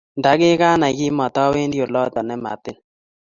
Ndagiganai, kimatwendi olotok ne motiny.